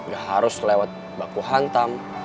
ya harus lewat baku hantam